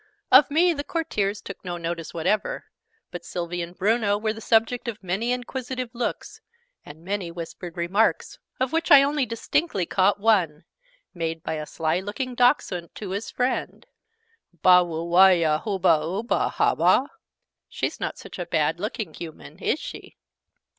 Of me the Courtiers took no notice whatever: but Sylvie and Bruno were the subject of many inquisitive looks, and many whispered remarks, of which I only distinctly caught one made by a sly looking Dachshund to his friend "Bah wooh wahyah hoobah Oobooh, hah bah?" ("She's not such a bad looking Human, is she?")